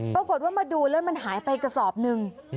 ปรากฏว่ามาดูแล้วมันหายไปกระสอบหนึ่ง